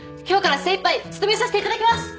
今日から精いっぱい努めさせていただきます！